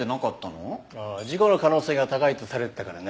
事故の可能性が高いとされてたからね。